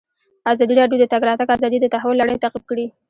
ازادي راډیو د د تګ راتګ ازادي د تحول لړۍ تعقیب کړې.